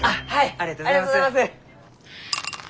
ありがとうございます！